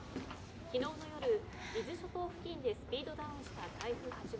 昨日の夜伊豆諸島付近でスピードダウンした台風８号。